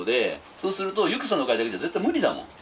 そうするとゆくさの会だけじゃ絶対無理だもん。